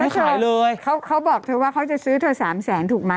เฉยเลยเขาบอกเธอว่าเขาจะซื้อเธอ๓แสนถูกไหม